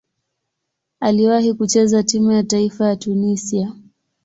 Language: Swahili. Aliwahi kucheza timu ya taifa ya Tunisia.